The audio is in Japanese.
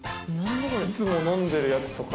「いつも飲んでるやつ」とか。